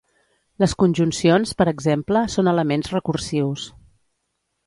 Les conjuncions, per exemple, són elements recursius.